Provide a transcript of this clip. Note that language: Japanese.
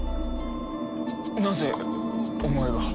なぜお前が。